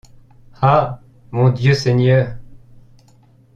Ah ! mon Dieu Seigneur !